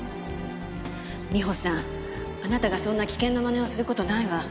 美穂さんあなたがそんな危険なまねをする事ないわ。